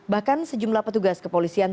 bahkan sejumlah petugas kepolisian